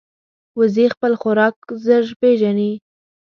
وزې خپل خوراک ژر پېژني